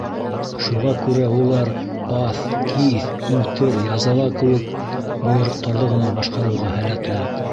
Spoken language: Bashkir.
Шуға күрә улар аҫ, киҫ, үлтер, язала кеүек бойороҡтарҙы ғына башҡарыуға һәләтле.